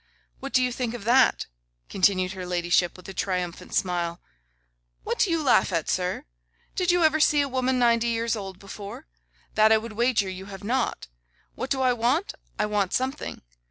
What do you think of that?' continued her ladyship, with a triumphant smile. 'What do you laugh at, sir? Did you ever see a woman ninety years old before? That I would wager you have not. What do I want? I want something.